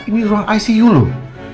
ini ruang icu loh